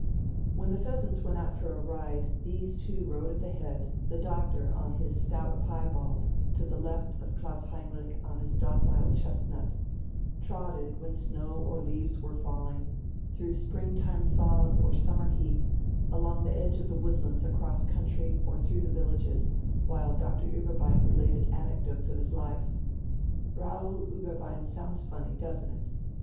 When the "Pheasants" went out for a ride, these two rode at the head, the doctor on his stout piebald to the left of Klaus Heinrich on his docile chestnut trotted when snow or leaves were falling, through springtime thaws or summer heat, along the edge of the woodlands across country, or through the villages, while Doctor Ueberbein related anecdotes of his life. Raoul Ueberbein sounds funny, doesn't it?